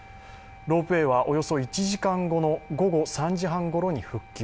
ロープウエーはおよそ１時間後の午後３時半ごろに復旧。